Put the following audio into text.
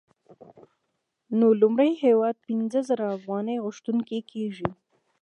نو لومړی هېواد پنځه سوه زره افغانۍ غوښتونکی کېږي